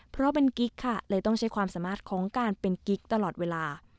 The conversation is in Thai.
เพราะเป็นกิ๊กค่ะเลยต้องใช้ความสามารถของการเป็นกิ๊กตลอดเวลา